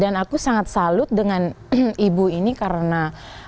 dan aku sangat salut dengan ibu ini karena